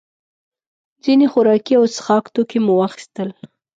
ځینې خوراکي او څښاک توکي مو واخیستل.